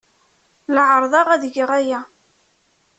La ɛerrḍeɣ ad geɣ aya.